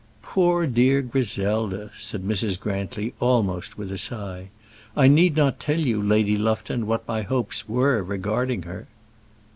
"Poor dear Griselda!" said Mrs. Grantly, almost with a sigh. "I need not tell you, Lady Lufton, what my hopes were regarding her."